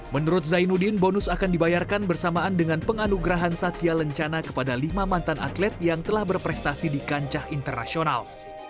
menurut zainuddin bonus akan dibayarkan bersamaan dengan penganugerahan satya lencana kepada lima mantan atlet yang telah berprestasi di kancah internasional